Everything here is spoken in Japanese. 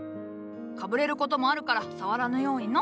かぶれる事もあるから触らぬようにの。